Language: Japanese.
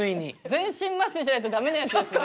全身麻酔しないとダメなやつですよね？